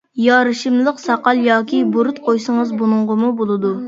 يارىشىملىق ساقال ياكى بۇرۇت قويسىڭىز بۇنىڭغىمۇ بولىدۇ.